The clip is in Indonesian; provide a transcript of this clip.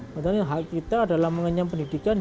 padahal hak kita adalah mengenyam pendidikan